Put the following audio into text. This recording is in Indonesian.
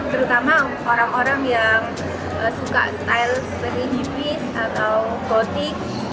terutama orang orang yang suka style seperti hipis atau gotik